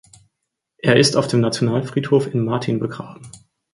Er ist auf dem Nationalfriedhof in Martin begraben.